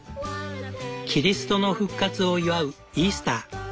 キリストの復活を祝うイースター。